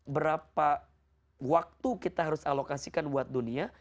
berapa waktu kita harus alokasikan buat dunia